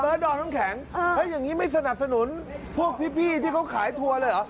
ดอมน้ำแข็งอย่างนี้ไม่สนับสนุนพวกพี่ที่เขาขายทัวร์เลยเหรอ